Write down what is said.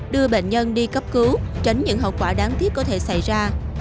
đưa bệnh nhân đi cấp cứu tránh những hậu quả đáng tiếc có thể xảy ra